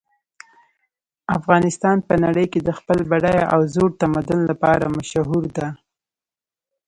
افغانستان په نړۍ کې د خپل بډایه او زوړ تمدن لپاره مشهور ده